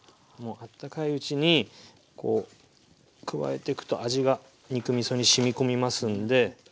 あったかいうちにこう加えていくと味が肉みそにしみ込みますんで。